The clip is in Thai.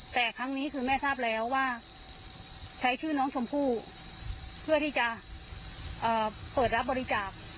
แต่ครั้งนี้คือแม่ทราบแล้วว่าใช้ชื่อน้องชมพู่เพื่อที่จะเปิดรับบริจาค